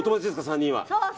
３人は。